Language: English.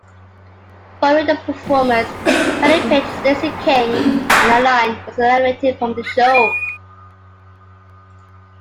Following the performance, Pagny picked Stacey King and Aline was eliminated from the show.